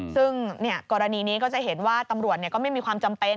ซึ่งกรณีนี้ก็จะเห็นว่าตำรวจก็ไม่มีความจำเป็น